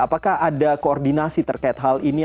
apakah ada koordinasi terkait hal ini